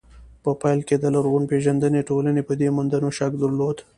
په پيل کې د لرغونپېژندنې ټولنې په دې موندنو شک درلود.